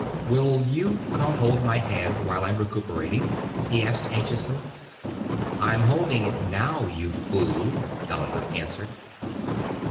"Will you come hold my hand while I'm recuperating?" he asked anxiously. "I'm holding it now, you fool," Elena answered.